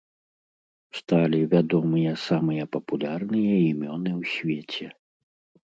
Сталі вядомыя самыя папулярныя імёны ў свеце.